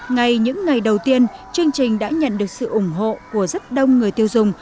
ngay những ngày đầu tiên chương trình đã nhận được sự ủng hộ của rất đông người tiêu dùng